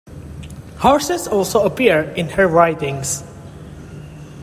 Horses also appear in her writings.